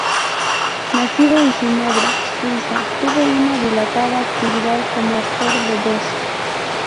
Nacido en Ginebra, Suiza, tuvo una dilatada actividad como actor de voz.